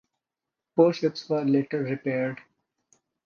Both ships were later repaired.